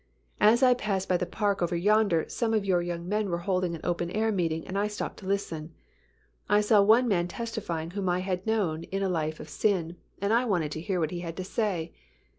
As I passed by the park over yonder, some of your young men were holding an open air meeting and I stopped to listen. I saw one man testifying whom I had known in a life of sin, and I waited to hear what he had to say.